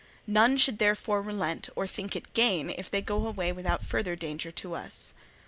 None should therefore relent or think it gain if they go away without further danger to us.